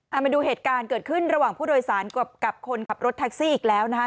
เอามาดูเหตุการณ์เกิดขึ้นระหว่างผู้โดยสารกับคนขับรถแท็กซี่อีกแล้วนะคะ